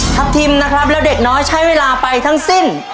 ทัพทิมนะครับแล้วเด็กน้อยใช้เวลาไปทั้งสิ้น